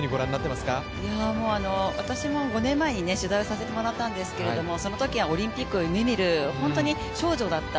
私も５年前に取材をさせてもらったんですけど、そのときはオリンピックを夢見る、ホントに少女だった。